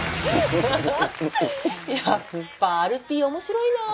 やっぱアルピー面白いなぁ。